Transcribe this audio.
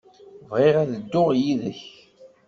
Bɣiɣ ad dduɣ yid-k.